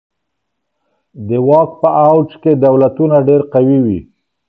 د واک په اوج کي دولتونه ډیر قوي وي.